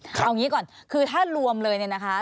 เอางี้ก่อนคือถ้ารวมเลยเนี่ยนะคะ